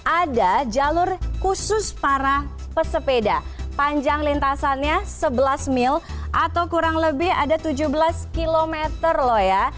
ada jalur khusus para pesepeda panjang lintasannya sebelas mil atau kurang lebih ada tujuh belas km loh ya